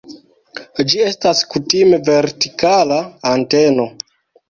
Ĝi estas kutime vertikala anteno.